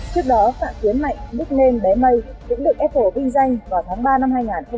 trước đó phạm tiến mạnh đức nên bé mây cũng được apple vinh danh vào tháng ba năm hai nghìn hai mươi